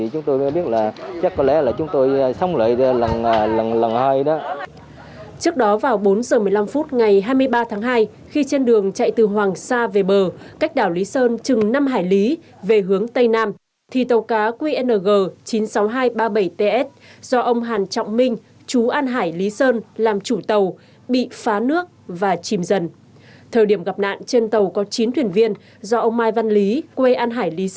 hoặc là các cơ quan các cơ quan các cơ quan các cơ quan các cơ quan